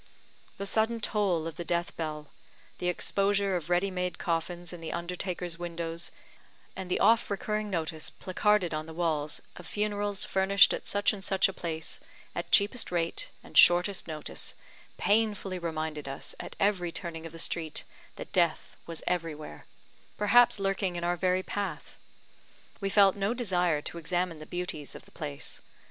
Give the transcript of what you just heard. The sullen toll of the death bell, the exposure of ready made coffins in the undertakers' windows, and the oft recurring notice placarded on the walls, of funerals furnished at such and such a place, at cheapest rate and shortest notice, painfully reminded us, at every turning of the street, that death was everywhere perhaps lurking in our very path; we felt no desire to examine the beauties of the place.